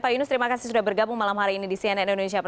pak yunus terima kasih sudah bergabung malam hari ini di cnn indonesia